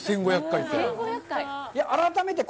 １５００回って。